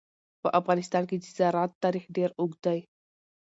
په افغانستان کې د زراعت تاریخ ډېر اوږد دی.